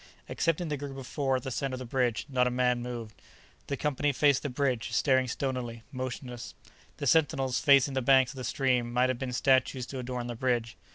Excepting the group of four at the center of the bridge, not a man moved. The company faced the bridge, staring stonily, motionless. The sentinels, facing the banks of the stream, might have been statues to adorn the bridge.